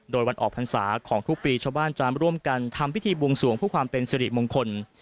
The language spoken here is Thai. โดยวันออกพรรษาของทุกปีชาวบ้านจะร่วมกันทำพิธีบวงสวงเพื่อความเป็นสิริมงคล